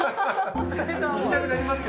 行きたくなりますよね。